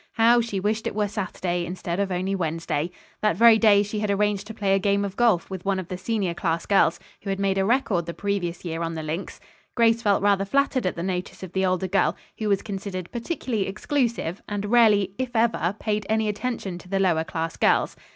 How she wished it were Saturday instead of only Wednesday. That very day she had arranged to play a game of golf with one of the senior class girls, who had made a record the previous year on the links. Grace felt rather flattered at the notice of the older girl, who was considered particularly exclusive, and rarely if ever paid any attention to the lower class girls.